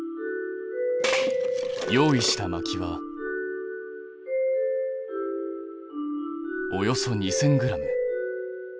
用意したまきはおよそ２，０００ｇ。